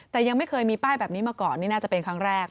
แต่ยังไม่เคยมีป้ายแบบนี้มาก่อนนี่น่าจะเป็นครั้งแรก